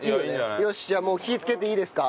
よしじゃあもう火つけていいですか？